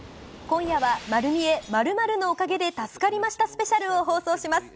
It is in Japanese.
今夜は、まる見え○○のおかげで助かりましたスペシャルを放送します。